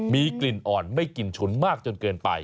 มีกลิ่นอ่อนไม่กลิ่นฉุนมากจนเกินไป